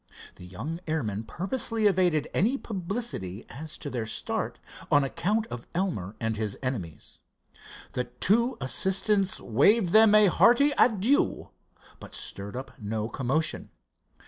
The young airman purposely evaded any publicity as to their start on account of Elmer and his enemies. The two assistants waved them a hearty adieu, but stirred up no commotion.